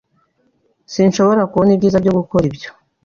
Sinshobora kubona ibyiza byo gukora ibyo.